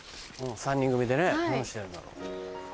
３人組でね何してるんだろう。